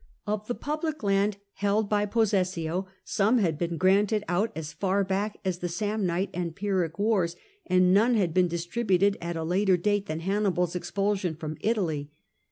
Of the public land held by possessio, some had been granted out as far back as the Samnite and Pyrrhic wars, and none had been distributed at a later date than Hannibars expulsion from Italy.